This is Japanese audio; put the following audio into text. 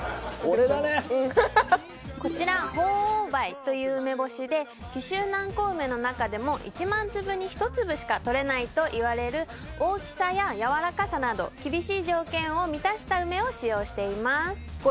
こちら鳳凰梅という梅干しで紀州南高梅の中でも１万粒に１粒しかとれないといわれる大きさややわらかさなど厳しい条件を満たした梅を使用しています